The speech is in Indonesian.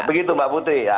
begitu mbak putri